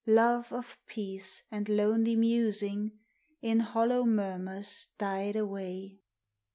Love of peace, and lonely musing, In hollow murmurs died away.